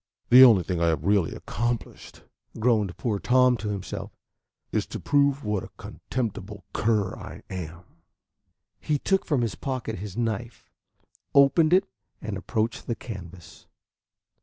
"The only thing I have really accomplished," groaned poor Tom to himself, "is to prove what a contemptible cur I am." He took from his pocket his knife, opened it, and approached the canvas.